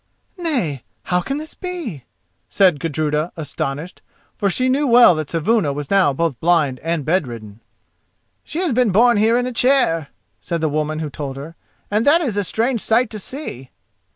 "Nay, how can this be?" said Gudruda astonished, for she knew well that Saevuna was now both blind and bed ridden. "She has been borne here in a chair," said the woman who told her, "and that is a strange sight to see."